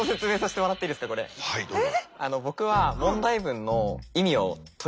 あのはいどうぞ。